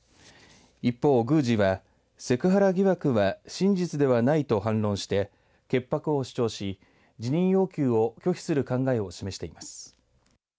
一方、宮司はセクハラ疑惑は真実ではないと反論して潔白を主張し辞任要求を拒否する考えを示しています。